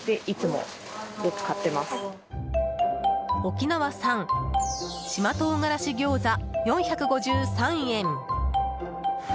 沖縄産島唐辛子餃子、４５３円。